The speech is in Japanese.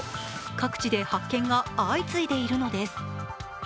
各地で発見が相次いでいるのです。